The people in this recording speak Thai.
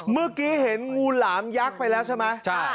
เมื่อกี้เห็นงูหลามยักษ์ไปแล้วใช่ไหม